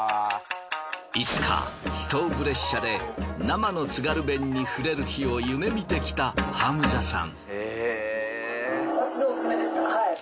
いつかストーブ列車で生の津軽弁にふれる日を夢見てきたハムザさん。